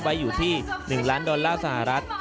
ไว้อยู่ที่๑ล้านดอลลาร์สหรัฐ